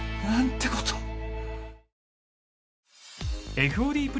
何てことを。